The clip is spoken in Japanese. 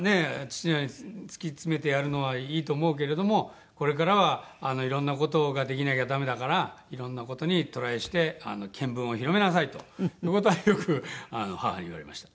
父のように突き詰めてやるのはいいと思うけれどもこれからはいろんな事ができなきゃダメだからいろんな事にトライして見聞を広めなさいという事はよく母に言われました。